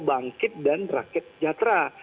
bangkit dan rakyat jatrah